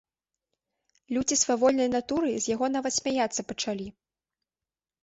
Людзі свавольнай натуры з яго нават смяяцца пачалі.